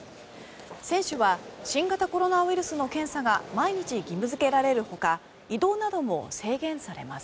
選手は新型コロナウイルスの検査が毎日義務付けられるほか移動なども制限されます。